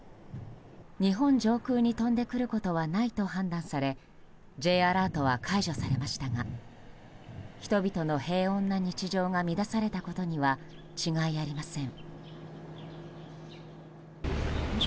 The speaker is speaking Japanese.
日本上空に飛んでくることはないと判断されＪアラートは解除されましたが人々の平穏な日常が乱されたことには違いありません。